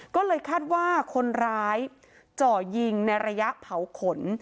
ก็เลยคาดว่าคนร้ายจ่อยิงในระยะเผาขน